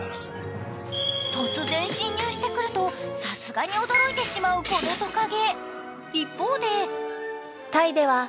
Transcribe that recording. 突然侵入してくるとさすがに驚いてしまうこのとかげ。